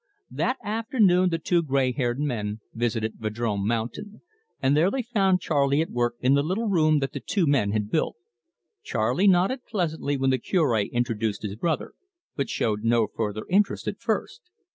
That afternoon the two grey haired men visited Vadrome Mountain, and there they found Charley at work in the little room that the two men had built. Charley nodded pleasantly when the Cure introduced his brother, but showed no further interest at first.